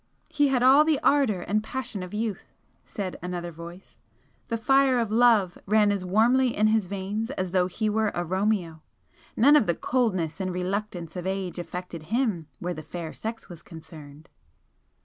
"He had all the ardour and passion of youth" said another voice "The fire of love ran as warmly in his veins as though he were a Romeo! None of the coldness and reluctance of age affected him where the fair sex was concerned!"